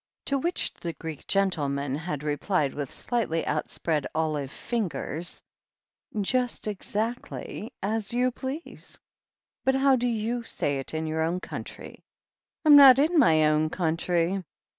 To which the Greek gentleman had replied, with slightly outspread, ^live fingers : "Just— exactly — as you please." "But how do you say it in your own country?" "I am not in my own country."